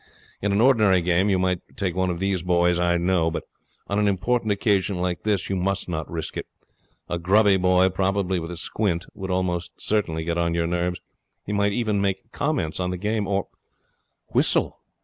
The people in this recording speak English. In an ordinary game you might take one of these boys, I know, but on an important occasion like this you must not risk it. A grubby boy, probably with a squint, would almost certainly get on your nerves. He might even make comments on the game, or whistle.